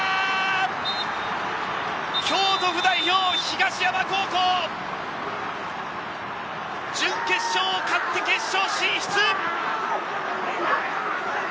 京都府代表・東山高校、準決勝を勝って決勝進出！